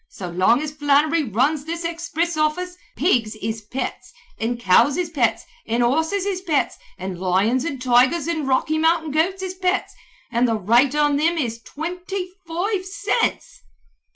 So long as Flannery runs this expriss office pigs is pets an' cows is pets an' horses is pets an' lions an' tigers an' Rocky Mountain goats is pets an' the rate on thim is twinty foive cints."